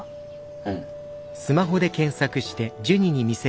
うん。